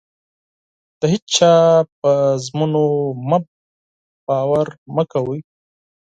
د هيچا په ژمنو مه باور مه کوئ.